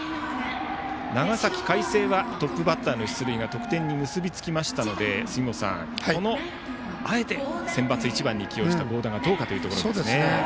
長崎・海星はトップバッターの出塁が得点に結びつきましたので杉本さん、あえてセンバツ１番に起用した合田がどうかというところですね。